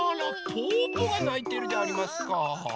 ぽぅぽがないてるでありますか。